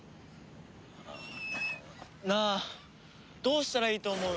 なあどうしたらいいと思う？